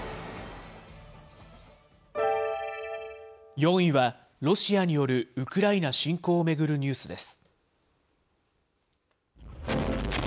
４位は、ロシアによるウクライナ侵攻を巡るニュースです。